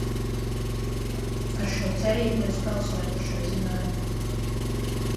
Ar šo cerību es balsoju par šo ziņojumu.